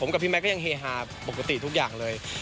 เรื่องเฮฮาปกติทุกอย่างเลย